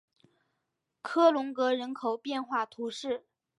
科隆格人口变化图示